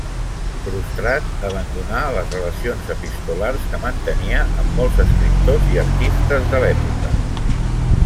Frustrat, abandonà les relacions epistolars que mantenia amb molts escriptors i artistes de l'època.